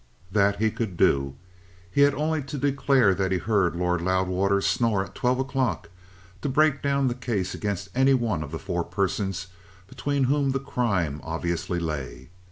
That he could do. He had only to declare that he heard Lord Loudwater snore at twelve o'clock to break down the case against any one of the four persons between whom the crime obviously lay.